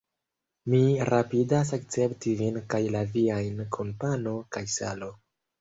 Mi rapidas akcepti vin kaj la viajn kun pano kaj salo!